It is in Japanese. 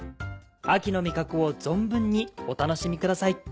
秋の味覚を存分にお楽しみください。